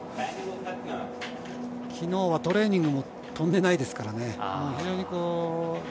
昨日はトレーニング、飛んでないですからね。